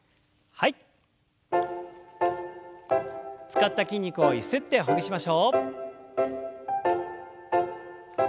使った筋肉をゆすってほぐしましょう。